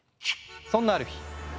そんなある日。